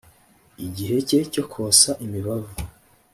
igihe cye cyo kosa imibavu